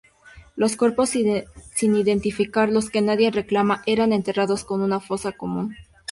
Los cuerpos sin identificar, los que nadie reclamaba, eran enterrados en una fosa común.